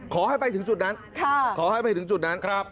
ขอให้ไปถึงจุดนั้นขอให้ไปถึงจุดนั้นครับ